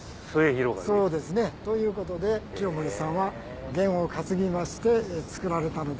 そうですねということで清盛さんは験を担ぎまして造られたのではないかと。